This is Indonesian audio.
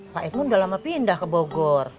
pak edmond udah lama pindah ke bogor